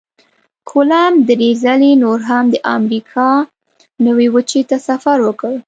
کولمب درې ځلې نور هم د امریکا نوي وچې ته سفر وکړ.